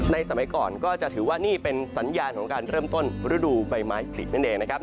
สมัยก่อนก็จะถือว่านี่เป็นสัญญาณของการเริ่มต้นฤดูใบไม้ผลินั่นเองนะครับ